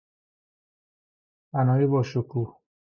بنای باشکوه